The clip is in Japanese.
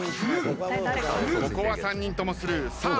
ここは３人ともスルー。